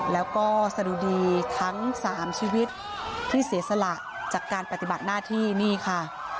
แล้วก็สะดุดีทั้ง๓ชีวิตที่เสียสละจากการปฏิบัติหน้าที่นี่ค่ะ